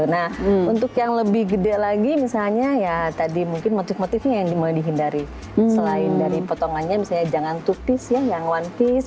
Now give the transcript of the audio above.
nah untuk yang lebih gede lagi misalnya ya tadi mungkin motif motifnya yang dimulai dihindari selain dari potongannya misalnya jangan tu pis ya yang one peace